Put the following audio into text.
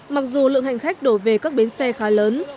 mặc dù lượng hành khách đổ về các bến xe khá lớn